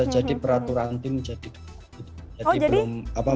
jadi peraturan tim jadi belum